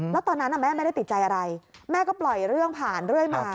แล้วตอนนั้นแม่ไม่ได้ติดใจอะไรแม่ก็ปล่อยเรื่องผ่านเรื่อยมา